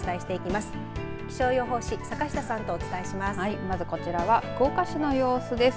まず、こちらは福岡市の様子です。